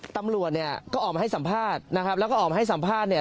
ตำรวจเนี่ยก็ออกมาให้สัมภาษณ์นะครับแล้วก็ออกมาให้สัมภาษณ์เนี่ย